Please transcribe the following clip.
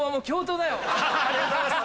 ありがとうございます。